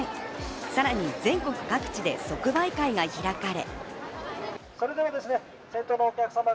さらに全国各地で即売会が開かれ。